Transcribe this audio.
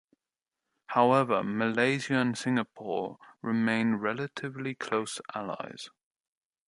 However, Malaysia and Singapore remain relatively close allies.